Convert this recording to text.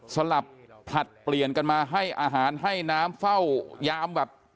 สลับผลัดเปลี่ยนกันมาให้อาหารให้น้ำเฝ้ายามแบบ